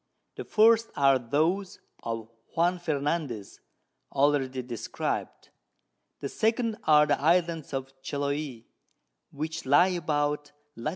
The first are those of Juan Fernandez, already describ'd. The second are the Islands of Chiloe, which lie about Lat.